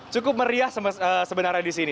cukup meriah sebenarnya di sini